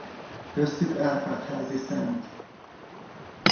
Köztük Árpád-házi Szt.